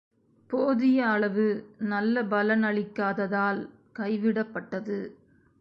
போதிய அளவு நல்ல பலனளிக்காததால் கைவிடப்பட்டது.